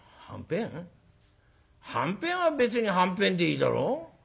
はんぺんは別にはんぺんでいいだろ。